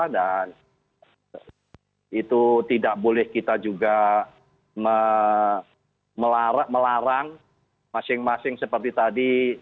dan itu tidak boleh kita juga melarang masing masing seperti tadi